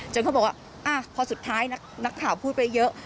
เขาบอกว่าพอสุดท้ายนักข่าวพูดไปเยอะ